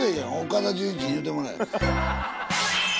岡田准一に言うてもらえ。